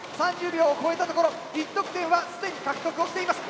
３０秒を越えたところ１得点は既に獲得をしています。